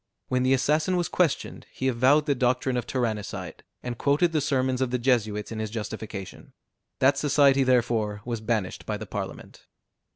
When the assassin was questioned, he avowed the doctrine of tyrannicide, and quoted the sermons of the Jesuits in his justification. That society therefore was banished by the Parliament.